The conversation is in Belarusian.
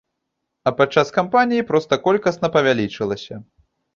А падчас кампаніі проста колькасна павялічылася.